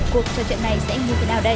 cuộc trò chuyện này sẽ như thế nào đây